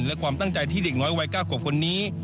และความตั้งใจที่เด็กน้อยวัย๙ขวบคนนี้